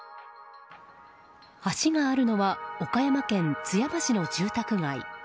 橋があるのは岡山県津山市の住宅街。